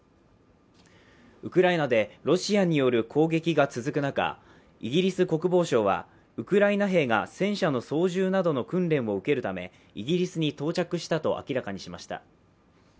ウクライナでロシアによる攻撃が続く中、イギリス国防省はウクライナ兵が戦車の操縦などの訓練を受けるため、イギリスに到着したと明らかにしました。